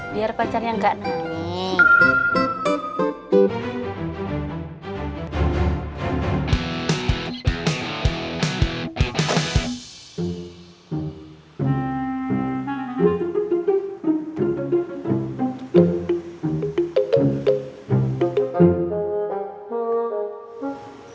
biar pacarnya gak nengik